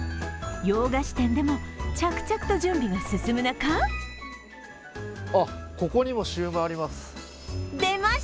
洋菓子店でも着々と準備が進む中あっ、ここにもシューマイあります。